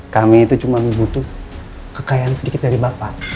kami itu cuma butuh kekayaan sedikit dari bapak